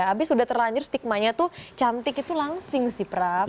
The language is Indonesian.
habis sudah terlanjur stikmanya tuh cantik itu langsing sih prab